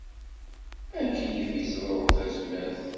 Akeyyef yettḍurru tazmert.